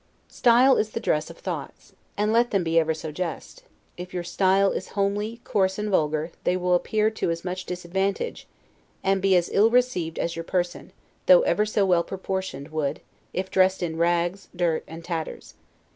Style is the dress of thoughts; and let them be ever so just, if your style is homely, coarse, and vulgar, they will appear to as much disadvantage, and be as ill received as your person, though ever so well proportioned, would, if dressed in rags, dirt, and tatters.